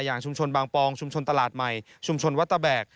อย่างชุมชนบางปองชุมชนตลาดใหม่ชุมชนวัดตะแบก